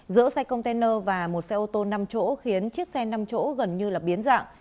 giữa xe container và một xe ô tô năm chỗ khiến chiếc xe năm chỗ gần như biến dạng